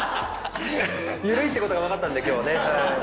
ユルいってことが分かったんで今日ね。